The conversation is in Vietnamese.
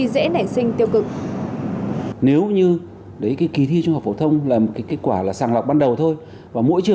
nên nếu mỗi trường muốn tự chủ